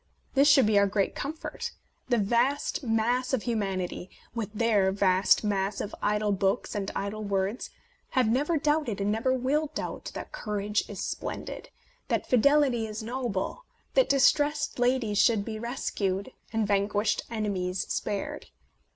This should be our great comfort. The [8s] A Defence of Penny Dreadfuls vast mass of humanity, with their vast mass of idle books and idle words, have never doubted and never will doubt that courage is splendid, that fidelity is noble, that dis tressed ladies should be rescued, and van quished enemies spared.